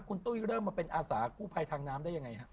ก็เริ่มมาเป็นอาศาคู่ภัยทางน้ำได้ยังไงครับ